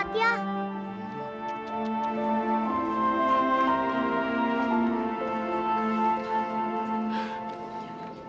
tidak tidak tidak